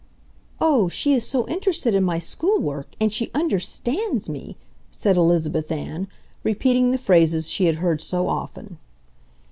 "Oh, she is so interested in my school work! And she UNDERSTANDS me!" said Elizabeth Ann, repeating the phrases she had heard so often.